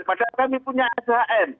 padahal kami punya shm